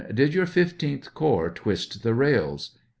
Did your 15th corps twist the rails